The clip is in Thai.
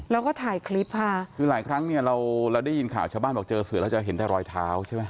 แล้วก็ถ่ายคลิปค่ะคือหลายครั้งเนี่ยเราเราได้ยินข่าวชาวบ้านบอกเจอเสือแล้วจะเห็นแต่รอยเท้าใช่ไหม